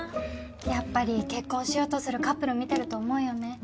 やっぱり結婚しようとするカップル見てると思うよね